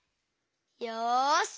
よし！